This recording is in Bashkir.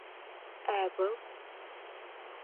Ә был...